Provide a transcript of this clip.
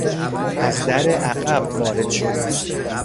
از در عقب وارد شد.